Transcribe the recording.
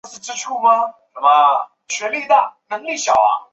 在第二届美国国会。